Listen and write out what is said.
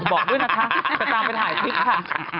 บอกด้วยนะคะจะตามไปถ่ายคลิปค่ะ